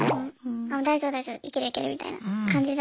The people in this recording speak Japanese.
大丈夫大丈夫いけるいけるみたいな感じだったんで。